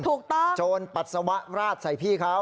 ถูกต้องโจรปัดสวรรค์ราชใส่พี่เขา